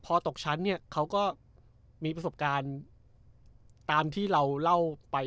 พอตกชั้นเนี่ยเขาก็มีประสบการณ์ตามที่เราเล่าไป